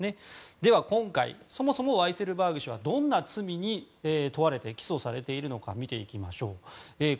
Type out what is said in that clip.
では、今回そもそもワイセルバーグ氏はどんな罪に問われて起訴されているのか。